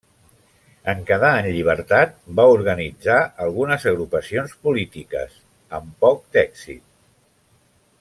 En quedar en llibertat, va organitzar algunes agrupacions polítiques, amb poc d'èxit.